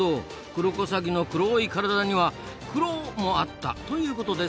クロコサギの黒い体にはクロもあったということですな。